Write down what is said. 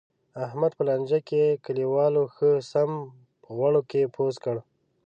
احمد په لانجه کې، کلیوالو ښه سم په غوړو کې پوست کړ.